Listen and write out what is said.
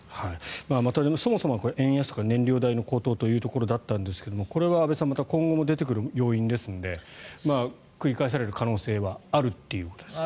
そもそもこれ円安、燃料代の高騰というところがあったんですがこれは安部さんまた今後も出てくる要因ですので繰り返される可能性はあるということですよね。